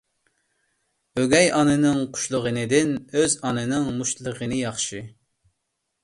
ئۆگەي ئانىنىڭ قۇشلىغىنىدىن ئۆز ئانىنىڭ مۇشتلىغىنى ياخشى.